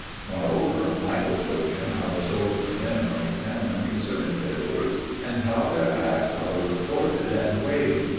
Moreover, Michael showed him how the souls of men are examined concerning their works and how their acts are re corded and weighed.